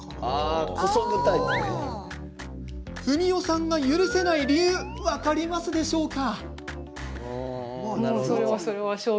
史佳さんが許せない理由分かりますでしょうか？